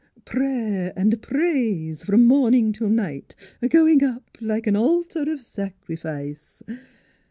Prayer V praise from mornin' till night, a goin' up like an altar o' sacrifice."